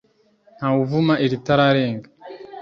Ntawe uvuma iritararenga